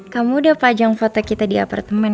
kamu udah pajang foto kita di apartemen